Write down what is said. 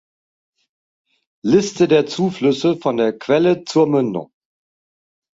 Liste der Zuflüsse von der Quelle zur Mündung.